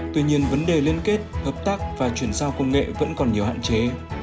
tuy nhiên vấn đề liên kết hợp tác và chuyển giao công nghệ vẫn còn nhiều hạn chế